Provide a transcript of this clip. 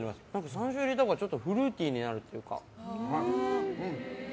山椒入れたほうがちょっとフルーティーになるというか。